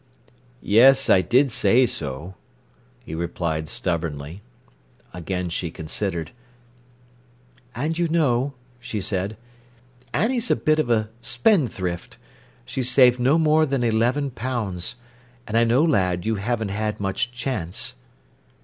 "Yes, I did say so," he replied stubbornly. Again she considered. "And you know," she said, "Annie's a bit of a spendthrift. She's saved no more than eleven pounds. And I know, lad, you haven't had much chance."